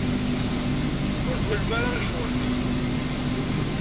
Ur twalem ara i ccɣel-nni.